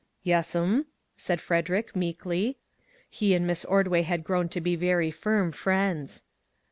" Yes'm," said Frederick, meekly; he and Miss Ordway had grown to be very firm friends.